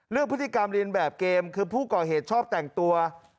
พฤติกรรมเรียนแบบเกมคือผู้ก่อเหตุชอบแต่งตัว